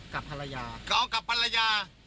กับภรรยา